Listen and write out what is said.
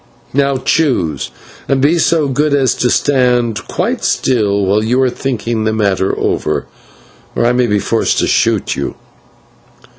Now choose, and be so good as to stand quite still while you are thinking the matter over, or I may be forced to shoot you."